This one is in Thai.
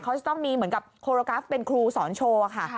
เขาจะต้องมีเหมือนกับโคโรกราฟเป็นครูสอนโชว์ค่ะ